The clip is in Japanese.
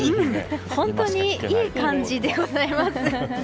本当にいい感じでございます。